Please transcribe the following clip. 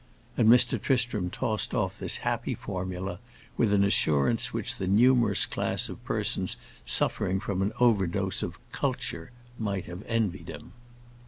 And Mr. Tristram tossed off this happy formula with an assurance which the numerous class of persons suffering from an overdose of "culture" might have envied him.